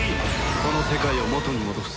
この世界を元に戻す。